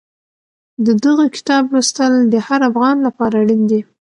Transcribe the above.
د دغه کتاب لوستل د هر افغان لپاره اړین دي.